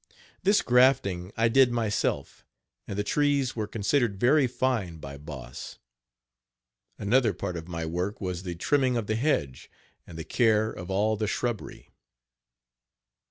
This grafting I did myself, and the trees were considered very fine by Boss. Another part of my work was the trimming of the hedge and the care of all the shrubbery.